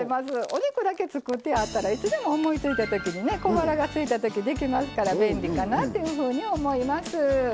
お肉だけ作ってあったらいつでも思いついたときにね小腹がすいたときできますから便利かなっていうふうに思います。